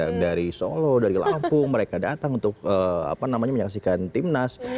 masya allah dari lampung mereka datang untuk apa namanya menyaksikan timnas